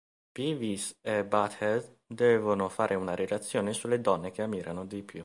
Beavis e Butt-head devono fare una relazione sulle donne che ammirano di più.